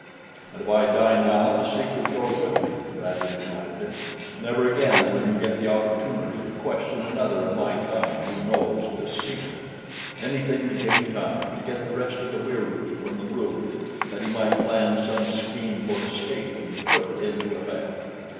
"And if I die now, the secret goes with me," Bradley reminded him. "Never again will you get the opportunity to question another of my kind who knows the secret." Anything to gain time, to get the rest of the Wieroos from the room, that he might plan some scheme for escape and put it into effect.